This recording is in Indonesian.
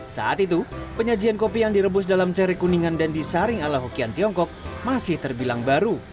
saat itu penyajian kopi yang direbus dalam cerik kuningan dan disaring ala hukian tiongkok masih terbilang baru